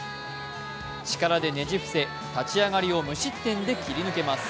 力でねじ伏せ、立ち上がりを無失点で切り抜けます。